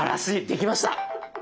できました。